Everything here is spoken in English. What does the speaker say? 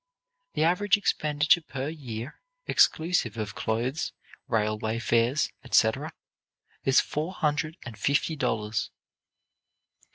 The average expenditure per year, exclusive of clothes, railway fares, etc., is four hundred and fifty dollars.